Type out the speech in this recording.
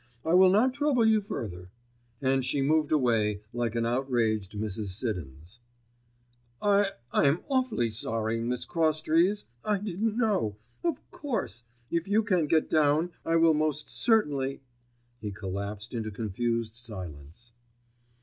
I will not trouble you further," and she moved away like an outraged Mrs. Siddons. "I—I'm awfully sorry, Miss Crosstrees. I didn't know——of course——if you can get down. I will most certainly——" He collapsed into confused silence.